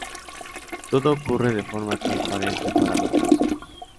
Todo ocurre de forma transparente para los procesos.